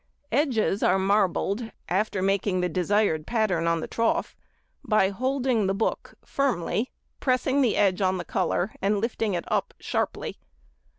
|73| Edges are marbled, after making the desired pattern on the trough by holding the book firmly, pressing the edge on the colour and lifting it up sharply.